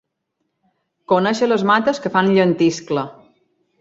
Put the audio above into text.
Conèixer les mates que fan llentiscle.